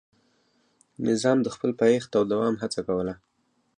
نظام د خپل پایښت او دوام هڅه کوله.